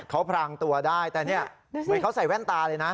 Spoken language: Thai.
เขาพรางตัวได้แต่เนี่ยเหมือนเขาใส่แว่นตาเลยนะ